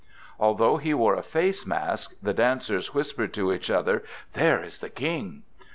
Although he wore a face mask, the dancers whispered to each other: "There is the King!"